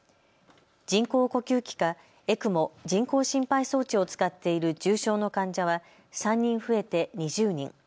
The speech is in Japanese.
人工呼吸器かＥＣＭＯ・人工心肺装置を使っている重症の患者は３人増えて２０人。